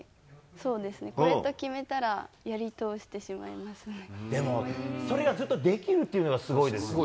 そうですね、これと決でも、それがずっとできるっていうのがすごいですよね。